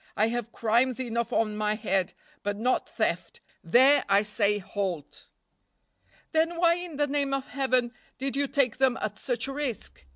I have crimes enough on my head, but not theft, there I say halt." "Then why in the name of Heaven did you take them at such a risk?"